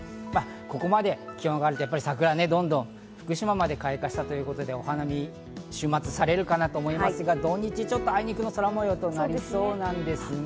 ここまで気温が上がると桜ね、どんど福島まで開花したということで、お花見、週末されるかなと思いますが、土日ちょっと、あいにくの空模様となりそうなんです。